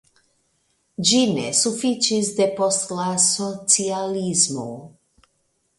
Ĝi ne sufiĉis depost la socialismo.